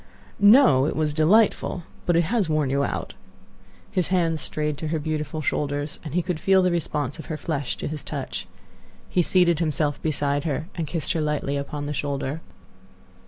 "No, it was delightful; but it has worn you out." His hand had strayed to her beautiful shoulders, and he could feel the response of her flesh to his touch. He seated himself beside her and kissed her lightly upon the shoulder.